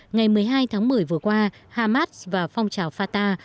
ngày một mươi hai tháng một mươi vừa qua hamas và phong trào fatah